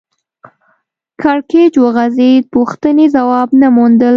کړکېچ وغځېد پوښتنې ځواب نه موندل